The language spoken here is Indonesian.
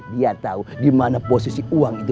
dia tau dimana posisi uang itu